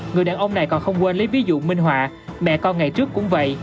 người đàn ông này còn không quên lấy ví dụ minh họa mẹ con ngày trước cũng vậy